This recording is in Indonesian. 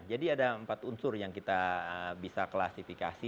jadi ada empat unsur yang kita bisa klasifikasi